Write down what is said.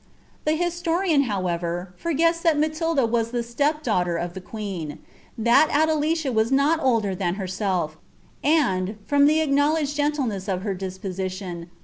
The Worian, however, fbrgela that Matilda waa the step daughter of the qqecn; that Adelicia was not older than herself, and, from the acknow Uged jreuilenesa of her disposiiion.